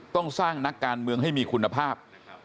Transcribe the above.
ต้องสร้างนักการเมืองให้มีคุณภาพ